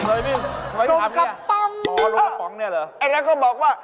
โอ้ยยยยยยยยยโอ้ซ่าลัยฮะ